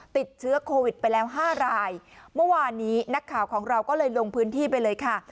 ติดเชื้อโควิดไปแล้วห้ารายเมื่อวานนี้นักข่าวของเราก็เลยลงพื้นที่ไปเลยค่ะ